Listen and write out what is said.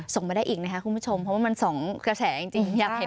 ส่งมาได้อีกนะคะคุณผู้ชมเพราะว่ามันส่งเกษตรจริง